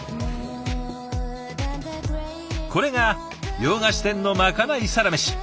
これが洋菓子店のまかないサラメシ。